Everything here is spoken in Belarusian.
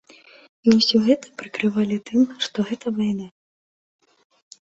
І ўсё гэта прыкрывалі тым, што гэта вайна.